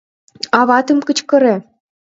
Аватым кычкыре!